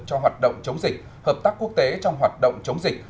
cho hoạt động chống dịch hợp tác quốc tế trong hoạt động chống dịch